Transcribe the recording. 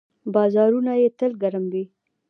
بازارونه یې تل ګرم وي.